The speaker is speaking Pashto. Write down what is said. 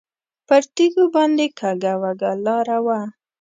پر تیږو باندې کږه وږه لاره وه.